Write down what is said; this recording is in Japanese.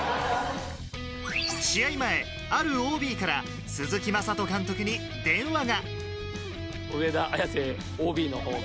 試合前、あるＯＢから鈴木雅人監督に電話が。